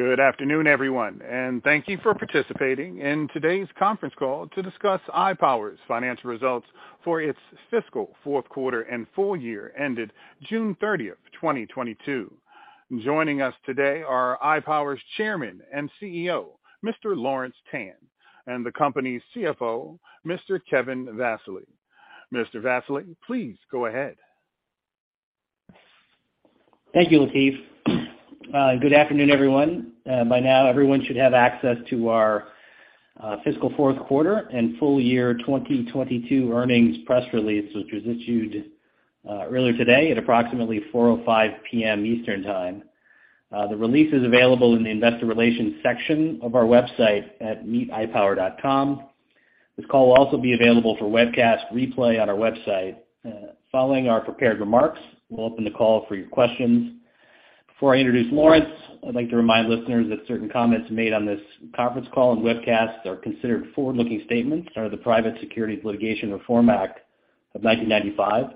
Good afternoon, everyone, and thank you for participating in today's conference call to discuss iPOWER's financial results for its fiscal fourth quarter and full year ended June 30th, 2022. Joining us today are iPOWER's Chairman and CEO, Mr. Lawrence Tan, and the company's CFO, Mr. Kevin Vassily. Mr. Vassily, please go ahead. Thank you, Latif. Good afternoon, everyone. By now, everyone should have access to our fiscal fourth quarter and full year 2022 earnings press release, which was issued earlier today at approximately 4:05 P.M. Eastern time. The release is available in the investor relations section of our website at meetipower.com. This call will also be available for webcast replay on our website. Following our prepared remarks, we'll open the call for your questions. Before I introduce Lawrence, I'd like to remind listeners that certain comments made on this conference call and webcast are considered forward-looking statements under the Private Securities Litigation Reform Act of 1995.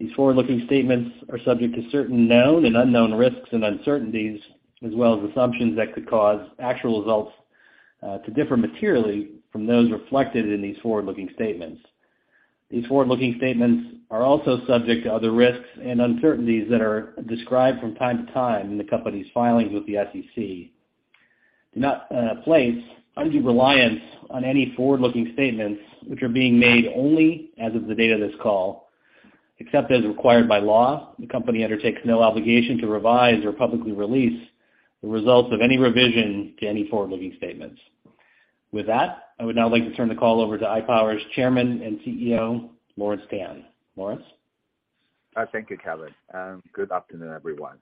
These forward-looking statements are subject to certain known and unknown risks and uncertainties, as well as assumptions that could cause actual results to differ materially from those reflected in these forward-looking statements. These forward-looking statements are also subject to other risks and uncertainties that are described from time to time in the company's filings with the SEC. Do not place undue reliance on any forward-looking statements which are being made only as of the date of this call. Except as required by law, the company undertakes no obligation to revise or publicly release the results of any revision to any forward-looking statements. With that, I would now like to turn the call over to iPOWER's Chairman and CEO, Lawrence Tan. Lawrence? Thank you, Kevin. Good afternoon, everyone.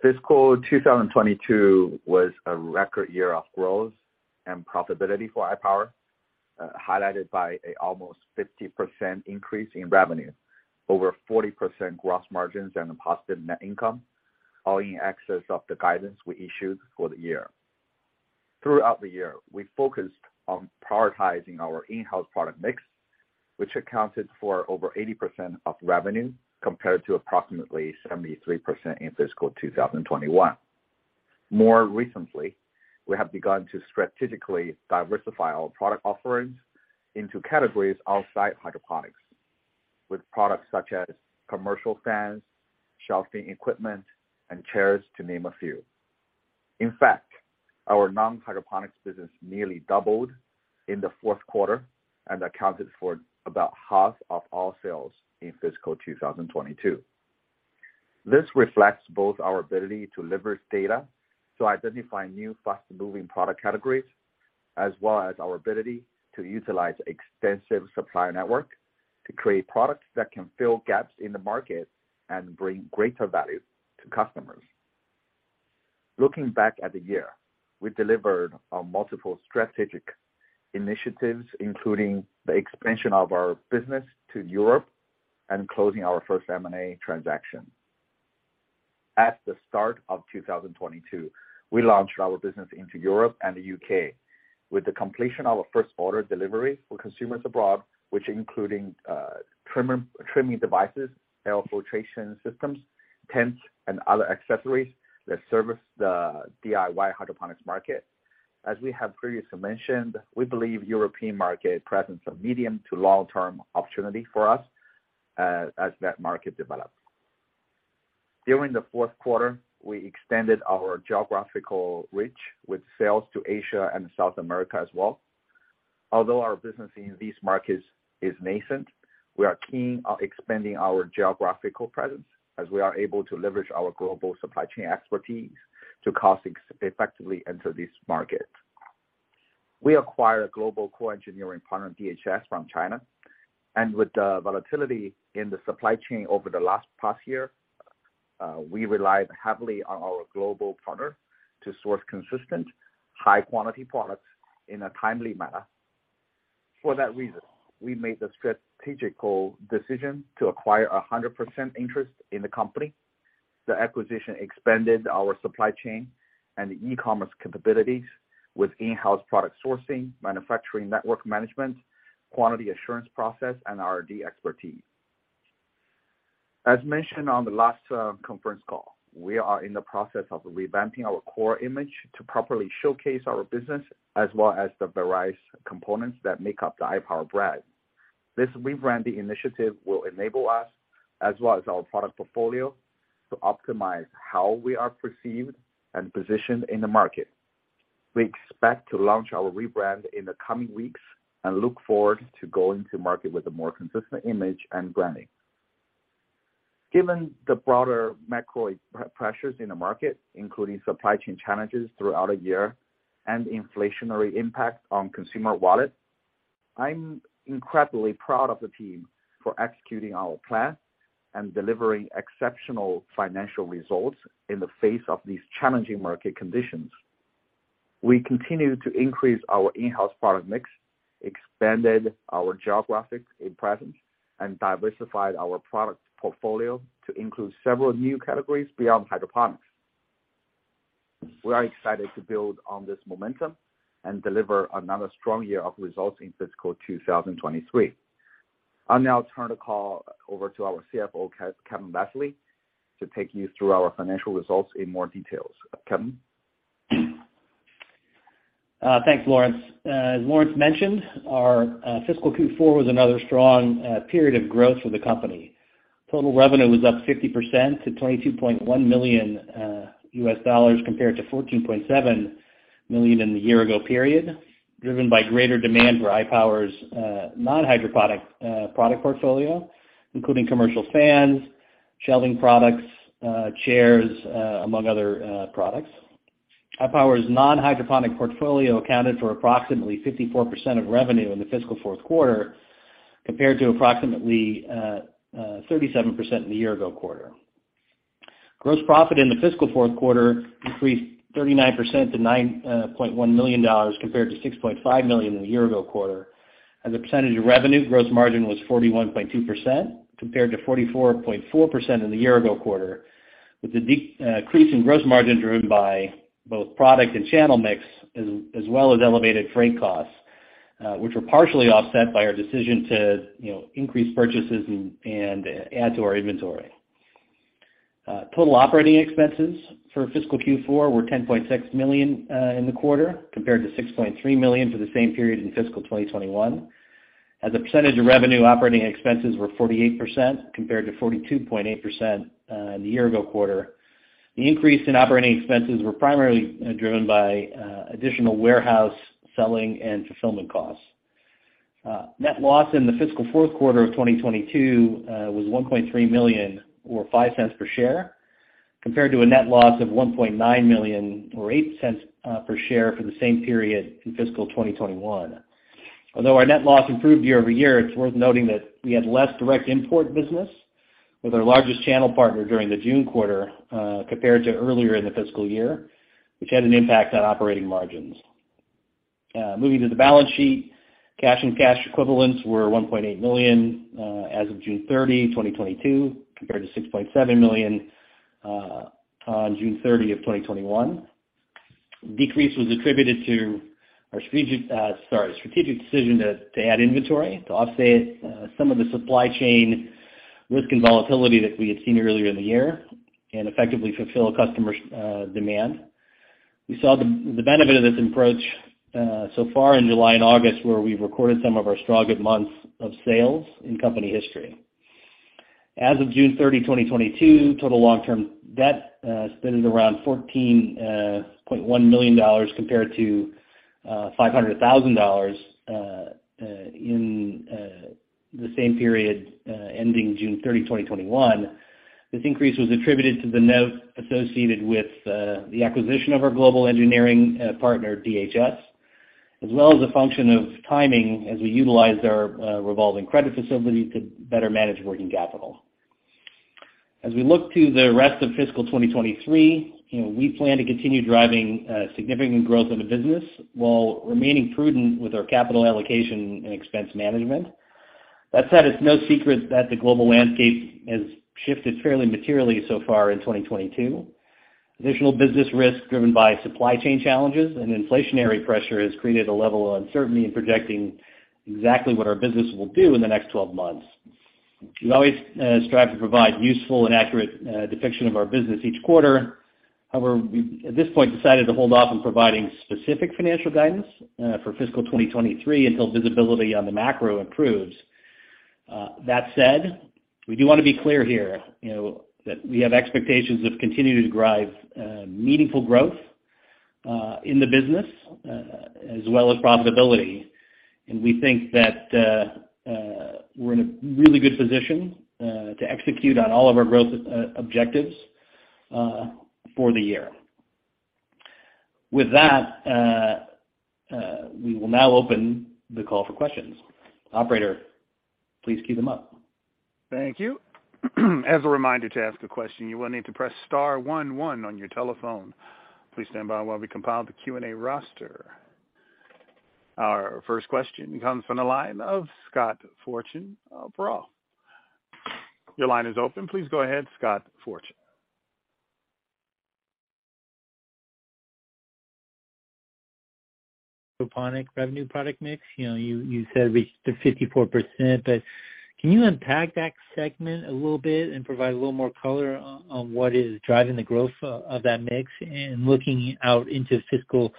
Fiscal 2022 was a record year of growth and profitability for iPOWER, highlighted by a almost 50% increase in revenue, over 40% gross margins and a positive net income, all in excess of the guidance we issued for the year. Throughout the year, we focused on prioritizing our in-house product mix, which accounted for over 80% of revenue, compared to approximately 73% in fiscal 2021. More recently, we have begun to strategically diversify our product offerings into categories outside hydroponics, with products such as commercial fans, shelving equipment, and chairs, to name a few. In fact, our non-hydroponics business nearly doubled in the fourth quarter and accounted for about half of all sales in fiscal 2022. This reflects both our ability to leverage data to identify new fast-moving product categories, as well as our ability to utilize extensive supplier network to create products that can fill gaps in the market and bring greater value to customers. Looking back at the year, we delivered on multiple strategic initiatives, including the expansion of our business to Europe and closing our first M&A transaction. At the start of 2022, we launched our business into Europe and the U.K. with the completion of our first order delivery for consumers abroad, which including trimmer, trimming devices, air filtration systems, tents, and other accessories that service the DIY hydroponics market. As we have previously mentioned, we believe European market presents a medium to long-term opportunity for us, as that market develops. During the fourth quarter, we extended our geographical reach with sales to Asia and South America as well. Although our business in these markets is nascent, we are keen on expanding our geographical presence as we are able to leverage our global supply chain expertise to cost-effectively enter this market. We acquired a global co-engineering partner, DHS, from China. With the volatility in the supply chain over the past year, we relied heavily on our global partner to source consistent high-quality products in a timely manner. For that reason, we made the strategical decision to acquire 100% interest in the company. The acquisition expanded our supply chain and e-commerce capabilities with in-house product sourcing, manufacturing network management, quality assurance process, and R&D expertise. As mentioned on the last conference call, we are in the process of revamping our core image to properly showcase our business as well as the various components that make up the iPOWER brand. This rebranding initiative will enable us, as well as our product portfolio, to optimize how we are perceived and positioned in the market. We expect to launch our rebrand in the coming weeks and look forward to going to market with a more consistent image and branding. Given the broader macro pressures in the market, including supply chain challenges throughout the year and inflationary impact on consumer wallet, I'm incredibly proud of the team for executing our plan and delivering exceptional financial results in the face of these challenging market conditions. We continue to increase our in-house product mix, expanded our geographic presence, and diversified our product portfolio to include several new categories beyond hydroponics. We are excited to build on this momentum and deliver another strong year of results in fiscal 2023. I'll now turn the call over to our CFO, Kevin Vassily, to take you through our financial results in more details. Kevin? Thanks, Lawrence. As Lawrence mentioned, our fiscal Q4 was another strong period of growth for the company. Total revenue was up 50% to $22.1 million compared to $14.7 million in the year ago period, driven by greater demand for iPOWER's non-hydroponic product portfolio, including commercial fans, shelving products, chairs, among other products. iPOWER's non-hydroponic portfolio accounted for approximately 54% of revenue in the fiscal fourth quarter, compared to approximately 37% in the year ago quarter. Gross profit in the fiscal fourth quarter increased 39% to $9.1 million compared to $6.5 million in the year ago quarter. As a percentage of revenue, gross margin was 41.2% compared to 44.4% in the year ago quarter, with the decrease in gross margin driven by both product and channel mix, as well as elevated freight costs, which were partially offset by our decision to increase purchases and add to our inventory. Total operating expenses for fiscal Q4 were $10.6 million in the quarter, compared to $6.3 million for the same period in fiscal 2021. As a percentage of revenue, operating expenses were 48% compared to 42.8% in the year ago quarter. The increase in operating expenses were primarily driven by additional warehouse selling and fulfillment costs. Net loss in the fiscal fourth quarter of 2022 was $1.3 million or $0.05 per share, compared to a net loss of $1.9 million or $0.08 per share for the same period in fiscal 2021. Although our net loss improved year-over-year, it's worth noting that we had less direct import business with our largest channel partner during the June quarter, compared to earlier in the fiscal year, which had an impact on operating margins. Moving to the balance sheet, cash and cash equivalents were $1.8 million as of June 30, 2022, compared to $6.7 million on June 30 of 2021. Decrease was attributed to our strategic decision to add inventory to offset some of the supply chain risk and volatility that we had seen earlier in the year and effectively fulfill customers' demand. We saw the benefit of this approach so far in July and August, where we've recorded some of our strongest months of sales in company history. As of June 30, 2022, total long-term debt stood at around $14.1 million compared to $500,000 in the same period ending June 30, 2021. This increase was attributed to the note associated with the acquisition of our global engineering partner, DHS, as well as a function of timing as we utilized our revolving credit facility to better manage working capital. As we look to the rest of fiscal 2023, you know, we plan to continue driving significant growth in the business while remaining prudent with our capital allocation and expense management. That said, it's no secret that the global landscape has shifted fairly materially so far in 2022. Additional business risk driven by supply chain challenges and inflationary pressure has created a level of uncertainty in projecting exactly what our business will do in the next 12 months. We always strive to provide useful and accurate depiction of our business each quarter. However, we at this point decided to hold off on providing specific financial guidance for fiscal 2023 until visibility on the macro improves. That said, we do wanna be clear here, you know, that we have expectations of continuing to drive meaningful growth in the business as well as profitability. We think that we're in a really good position to execute on all of our growth objectives for the year. With that, we will now open the call for questions. Operator, please queue them up. Thank you. As a reminder to ask a question, you will need to press star one one on your telephone. Please stand by while we compile the Q&A roster. Our first question comes from the line of Scott Fortune of ROTH. Your line is open. Please go ahead, Scott Fortune. Hydroponic revenue product mix. You know, you said it reached to 54%. Can you unpack that segment a little bit and provide a little more color on what is driving the growth of that mix? Looking out into fiscal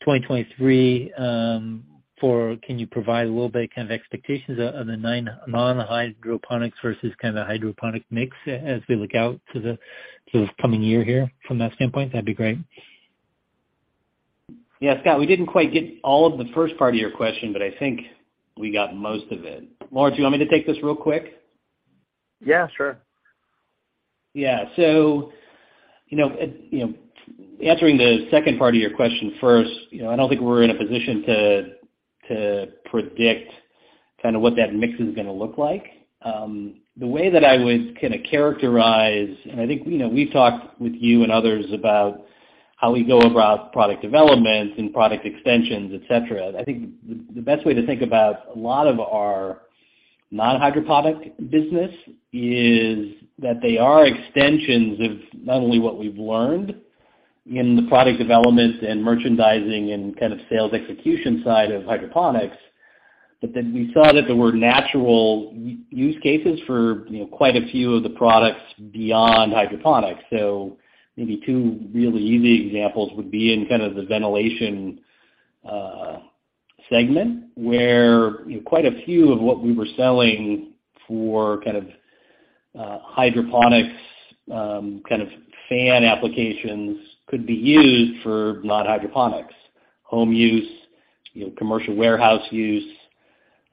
2023, can you provide a little bit kind of expectations on the non-hydroponics versus kind of the hydroponic mix as we look out to the coming year here from that standpoint? That'd be great. Yeah, Scott, we didn't quite get all of the first part of your question, but I think we got most of it. Lawrence, you want me to take this real quick? Yeah, sure. Yeah. So, you know, you know, answering the second part of your question first, you know, I don't think we're in a position to predict kinda what that mix is gonna look like. The way that I would kinda characterize. I think, you know, we've talked with you and others about how we go about product developments and product extensions, et cetera. I think the best way to think about a lot of our non-hydroponic business is that they are extensions of not only what we've learned in the product development and merchandising and kind of sales execution side of hydroponics. Then we saw that there were natural use cases for, you know, quite a few of the products beyond hydroponics. Maybe two really easy examples would be in kind of the Ventilation segment, where you know quite a few of what we were selling for kind of hydroponics kind of fan applications could be used for not hydroponics, home use, you know, commercial warehouse use,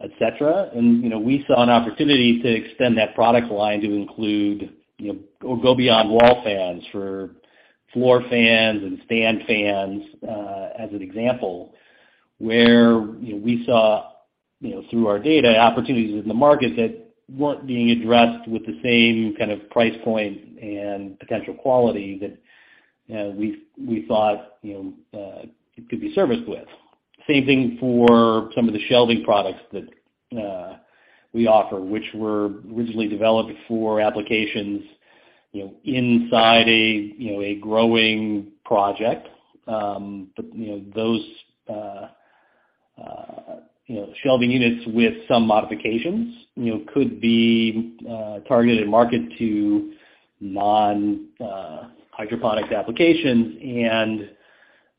et cetera. You know, we saw an opportunity to extend that product line to include, you know, or go beyond wall fans for floor fans and stand fans, as an example, where you know we saw you know through our data, opportunities in the market that weren't being addressed with the same kind of price point and potential quality that we thought you know could be serviced with. Same thing for some of the shelving products that we offer, which were originally developed for applications, you know, inside a you know a growing project. You know, those shelving units with some modifications, you know, could be targeted and marketed to non-hydroponics applications. You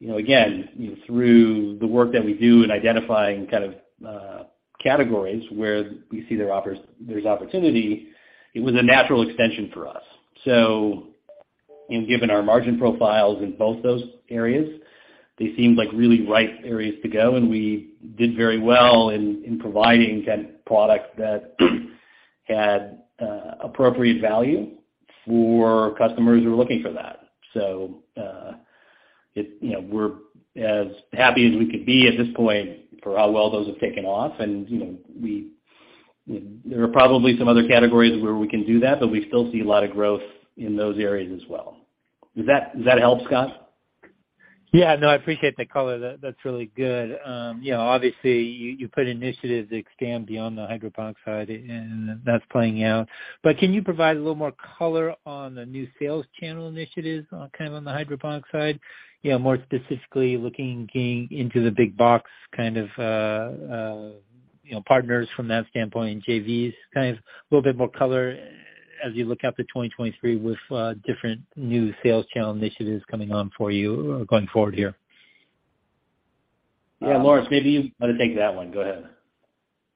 know, again, you know, through the work that we do in identifying kind of categories where we see there's opportunity, it was a natural extension for us. Given our margin profiles in both those areas, they seemed like really right areas to go, and we did very well in providing kind of products that had appropriate value for customers who are looking for that. You know, we're as happy as we could be at this point for how well those have taken off. You know, there are probably some other categories where we can do that, but we still see a lot of growth in those areas as well. Does that help, Scott? Yeah. No, I appreciate the color. That's really good. You know, obviously, you put initiatives that extend beyond the hydroponic side and that's playing out. Can you provide a little more color on the new sales channel initiatives, kind of on the hydroponic side? You know, more specifically looking, getting into the big box kind of, you know, partners from that standpoint and [JVs], kind of a little bit more color as you look out to 2023 with different new sales channel initiatives coming on for you, going forward here. Yeah, Lawrence, maybe you want to take that one. Go ahead.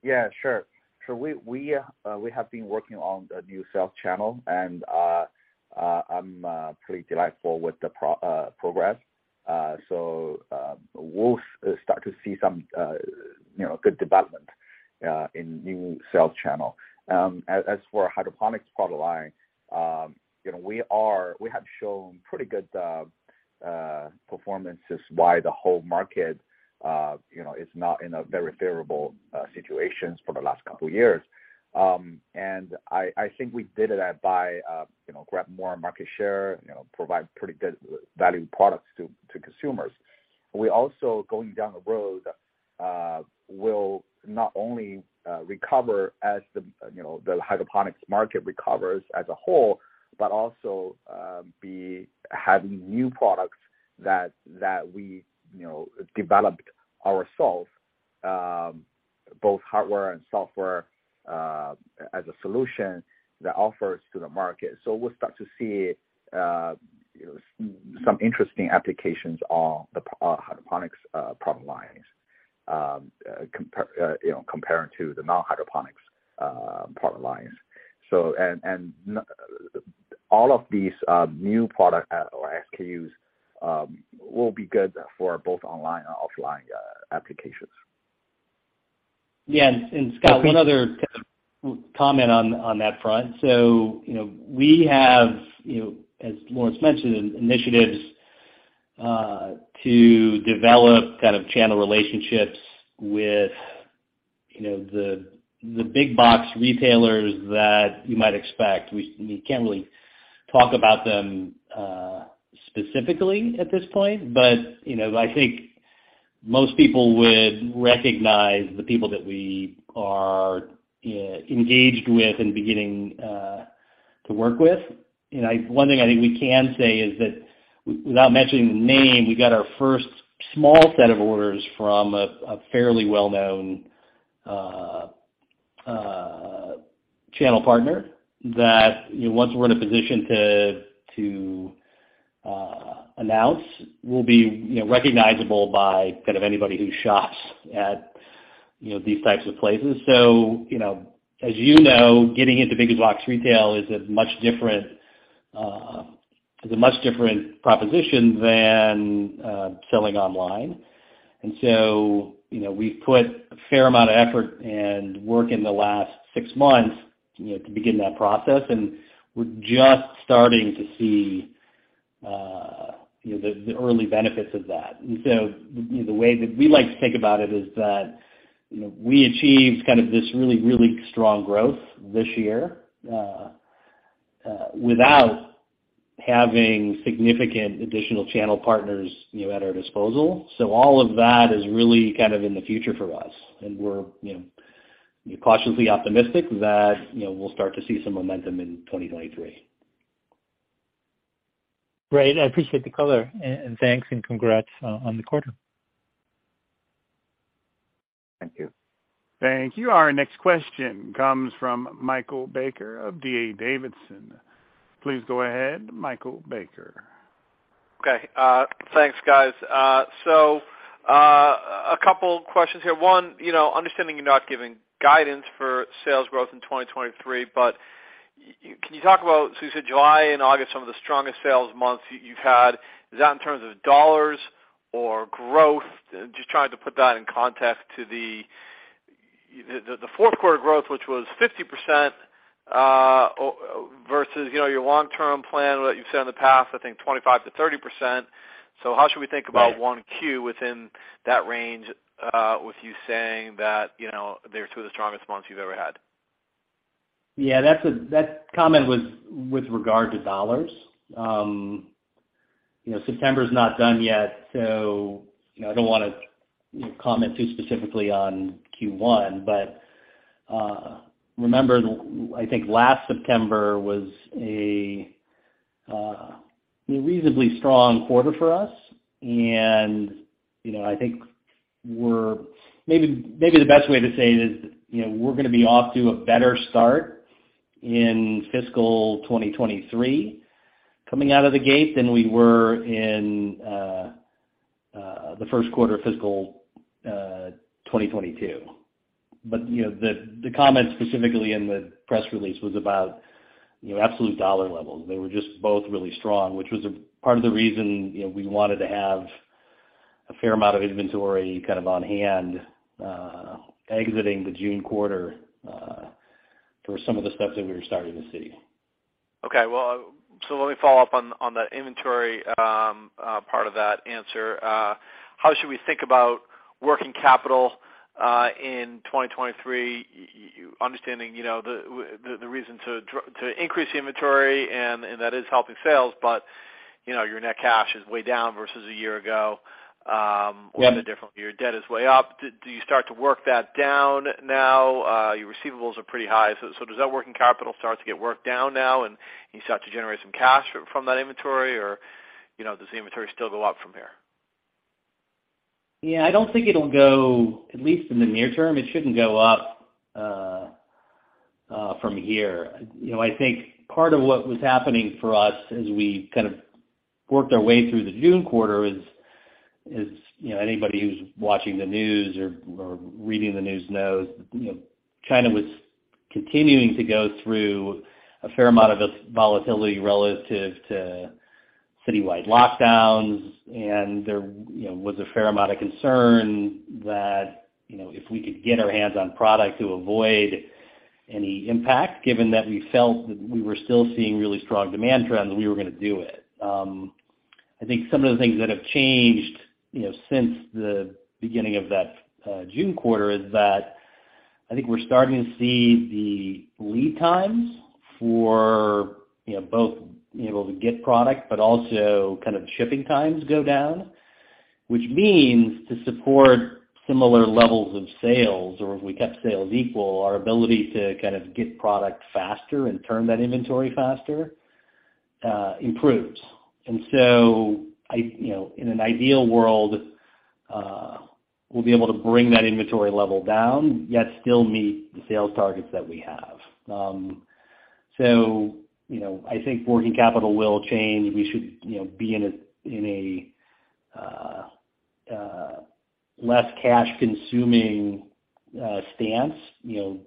Yeah, sure. We have been working on the new sales channel and I'm pretty delighted with the progress. We'll start to see some you know good development in new sales channel. As for hydroponics product line, you know, we have shown pretty good performance while the whole market you know is not in a very favorable situation for the last couple years. I think we did that by you know grabbing more market share, you know, provide pretty good value products to consumers. We also, going down the road, will not only recover as, you know, the hydroponics market recovers as a whole, but also be having new products that we, you know, developed ourselves, both hardware and software, as a solution that offers to the market. We'll start to see, you know, some interesting applications on the hydroponics product lines, comparing to the non-hydroponics product lines. All of these new products or SKUs will be good for both online and offline applications. Yeah. Scott, one other kind of comment on that front. You know, we have, you know, as Lawrence mentioned, initiatives to develop kind of channel relationships with, you know, the big box retailers that you might expect. We can't really talk about them specifically at this point, but, you know, I think most people would recognize the people that we are engaged with and beginning to work with. You know, one thing I think we can say is that without mentioning the name, we got our first small set of orders from a fairly well-known channel partner that, you know, once we're in a position to announce will be, you know, recognizable by kind of anybody who shops at, you know, these types of places. You know, as you know, getting into big box retail is a much different proposition than selling online. You know, we've put a fair amount of effort and work in the last six months, you know, to begin that process, and we're just starting to see, you know, the early benefits of that. You know, the way that we like to think about it is that, you know, we achieved kind of this really, really strong growth this year without having significant additional channel partners, you know, at our disposal. All of that is really kind of in the future for us, and we're cautiously optimistic that, you know, we'll start to see some momentum in 2023. Great. I appreciate the color and thanks and congrats on the quarter. Thank you. Thank you. Our next question comes from Michael Baker of D.A. Davidson. Please go ahead, Michael Baker. Okay. Thanks, guys. So, a couple questions here. One, you know, understanding you're not giving guidance for sales growth in 2023, but can you talk about, so you said July and August, some of the strongest sales months you've had, is that in terms of dollars or growth? Just trying to put that in context to the fourth quarter growth, which was 50%, versus, you know, your long term plan that you've said in the past, I think 25%-30%. So how should we think about 1Q within that range, with you saying that, you know, they're two of the strongest months you've ever had? Yeah, that comment was with regard to dollars. You know, September's not done yet, so, you know, I don't wanna comment too specifically on Q1. Remember, I think last September was a reasonably strong quarter for us. You know, I think maybe the best way to say it is, you know, we're gonna be off to a better start in fiscal 2023 coming out of the gate than we were in the first quarter of fiscal 2022. You know, the comment specifically in the press release was about, you know, absolute dollar levels. They were just both really strong, which was a part of the reason, you know, we wanted to have a fair amount of inventory kind of on hand, exiting the June quarter, for some of the stuff that we were starting to see. Okay, well, let me follow up on the inventory part of that answer. How should we think about working capital in 2023? Your understanding, you know, the reason to increase the inventory, and that is helping sales, but, you know, your net cash is way down versus a year ago. What a difference. Your debt is way up. Do you start to work that down now? Your receivables are pretty high. Does that working capital start to get worked down now and you start to generate some cash from that inventory? You know, does the inventory still go up from here? Yeah, I don't think it'll go, at least in the near term, it shouldn't go up from here. You know, I think part of what was happening for us as we kind of worked our way through the June quarter is, you know, anybody who's watching the news or reading the news knows, you know, China was continuing to go through a fair amount of volatility relative to citywide lockdowns, and there, you know, was a fair amount of concern that, you know, if we could get our hands on product to avoid any impact, given that we felt that we were still seeing really strong demand trends, we were gonna do it. I think some of the things that have changed, you know, since the beginning of that June quarter is that I think we're starting to see the lead times for, you know, both being able to get product, but also kind of shipping times go down, which means to support similar levels of sales or if we kept sales equal, our ability to kind of get product faster and turn that inventory faster, improves. You know, in an ideal world, we'll be able to bring that inventory level down, yet still meet the sales targets that we have. You know, I think working capital will change. We should, you know, be in a less cash consuming stance, you know,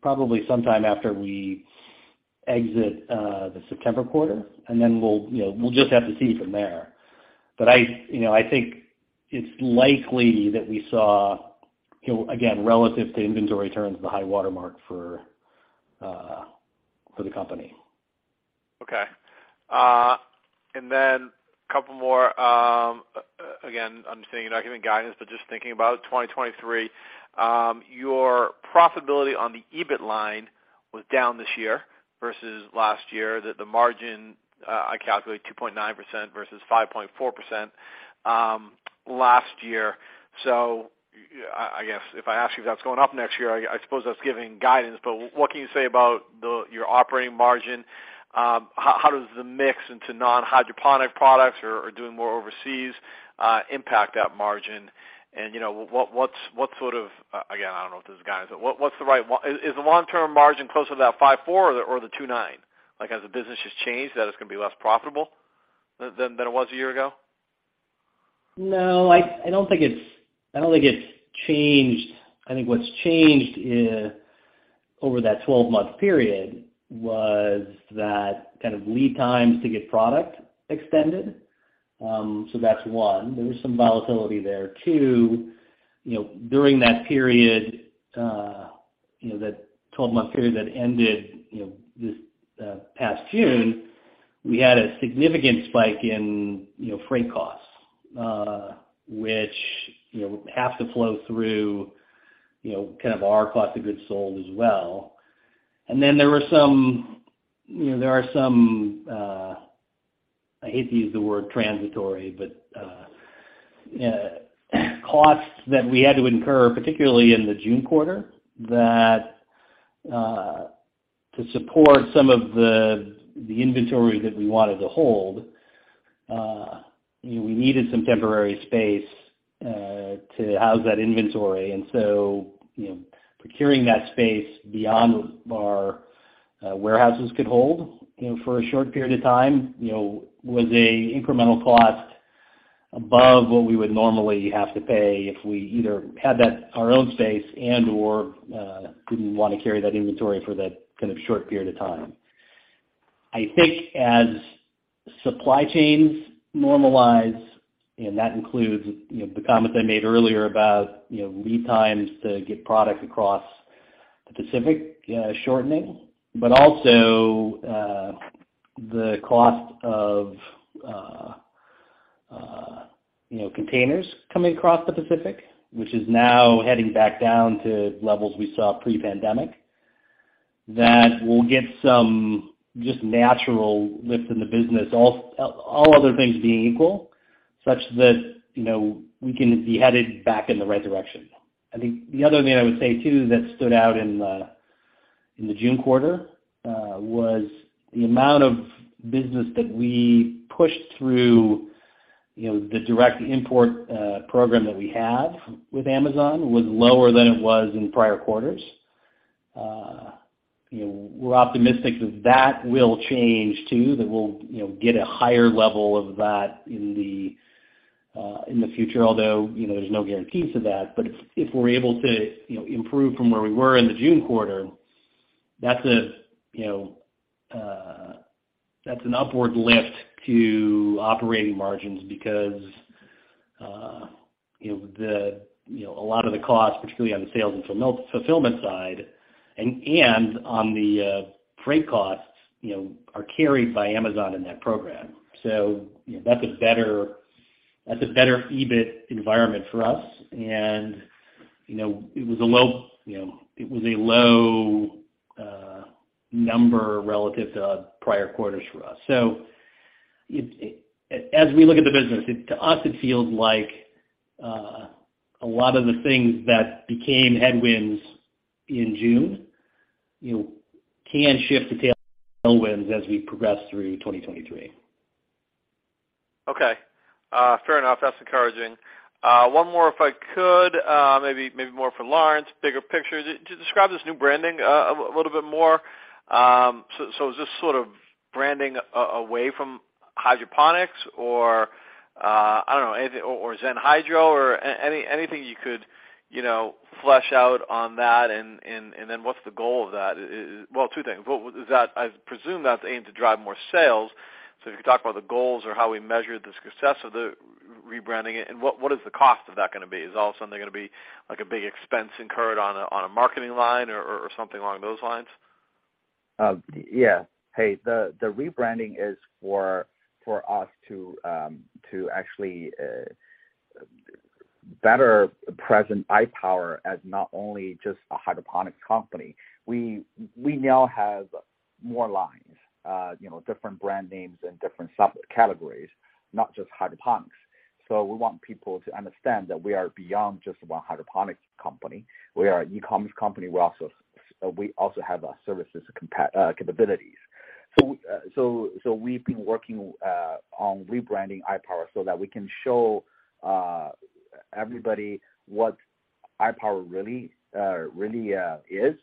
probably sometime after we exit the September quarter, and then we'll, you know, just have to see from there. I, you know, I think it's likely that we saw, you know, again, relative to inventory turns the high watermark for the company. Okay. A couple more. Again, understanding you're not giving guidance, but just thinking about 2023, your profitability on the EBIT line was down this year versus last year, and the margin I calculate 2.9% versus 5.4% last year. I guess if I ask you if that's going up next year, I suppose that's giving guidance. What can you say about your operating margin? How does the mix into non-hydroponic products or doing more overseas impact that margin? You know, what's sort of. Again, I don't know if this is guidance, but what's the right is the long-term margin closer to that 5.4% or the 2.9%? Like, has the business just changed, that it's gonna be less profitable than it was a year ago? No, I don't think it's changed. I think what's changed over that 12-month period was that kind of lead times to get product extended. That's one. There was some volatility there too. You know, during that period, you know, that 12-month period that ended, you know, this past June, we had a significant spike in, you know, freight costs, which, you know, have to flow through, you know, kind of our cost of goods sold as well. Then there were some, you know, there are some, I hate to use the word transitory, but, costs that we had to incur, particularly in the June quarter, that to support some of the inventory that we wanted to hold, you know, we needed some temporary space to house that inventory. You know, procuring that space beyond our warehouses could hold, you know, for a short period of time, you know, was an incremental cost above what we would normally have to pay if we either had that, our own space and/or didn't wanna carry that inventory for that kind of short period of time. I think as supply chains normalize, and that includes, you know, the comments I made earlier about, you know, lead times to get product across the Pacific shortening, but also the cost of, you know, containers coming across the Pacific, which is now heading back down to levels we saw pre-pandemic, that we'll get some just natural lift in the business, all other things being equal, such that, you know, we can be headed back in the right direction. I think the other thing I would say too that stood out in the June quarter was the amount of business that we pushed through, you know, the direct import program that we have with Amazon was lower than it was in prior quarters. You know, we're optimistic that that will change too, that we'll, you know, get a higher level of that in the future, although, you know, there's no guarantees of that. But if we're able to, you know, improve from where we were in the June quarter, that's a, you know, that's an upward lift to operating margins because, you know, a lot of the costs, particularly on the sales and fulfillment side and on the freight costs, you know, are carried by Amazon in that program. You know, that's a better EBIT environment for us. You know, it was a low number relative to prior quarters for us. As we look at the business, to us, it feels like a lot of the things that became headwinds in June, you know, can shift to tailwinds as we progress through 2023. Okay. Fair enough. That's encouraging. One more if I could, maybe more for Lawrence, bigger picture. Just describe this new branding a little bit more. So, is this sort of branding away from hydroponics or, I don't know, anything, or Zenhydro or anything you could, you know, flesh out on that and then what's the goal of that? Well, two things. Well, is that I presume that's aimed to drive more sales. So if you could talk about the goals or how we measure the success of the rebranding it and what is the cost of that gonna be? Is all of a sudden there gonna be like a big expense incurred on a marketing line or something along those lines? Yeah. Hey, the rebranding is for us to actually better present iPOWER as not only just a hydroponics company. We now have more lines, you know, different brand names and different subcategories, not just hydroponics. We want people to understand that we are beyond just a hydroponics company. We are an e-commerce company. We also have service capabilities. We've been working on rebranding iPOWER so that we can show everybody what iPOWER really is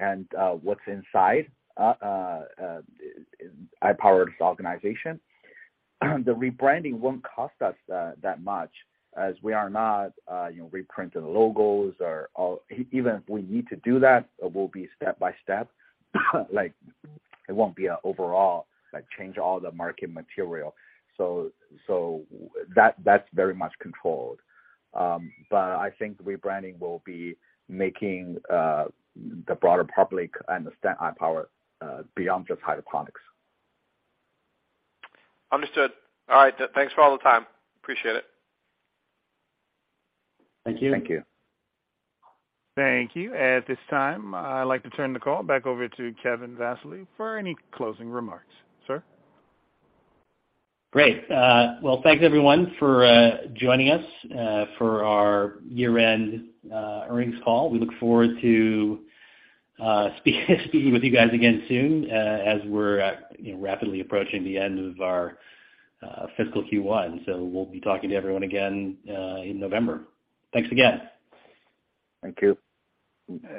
and what's inside in iPOWER's organization. The rebranding won't cost us that much as we are not, you know, reprinting logos or. Even if we need to do that, it will be step-by-step. Like, it won't be a overall, like, change all the market material. That's very much controlled. I think rebranding will be making the broader public understand iPOWER beyond just hydroponics. Understood. All right. Thanks for all the time. Appreciate it. Thank you. Thank you. Thank you. At this time, I'd like to turn the call back over to Kevin Vassily for any closing remarks. Sir? Great. Well, thanks everyone for joining us for our year-end earnings call. We look forward to speaking with you guys again soon as we're you know, rapidly approaching the end of our fiscal Q1. We'll be talking to everyone again in November. Thanks again. Thank you.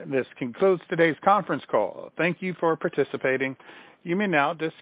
This concludes today's conference call. Thank you for participating. You may now disconnect.